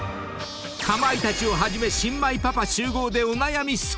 ［かまいたちをはじめ新米パパ集合でお悩み相談も］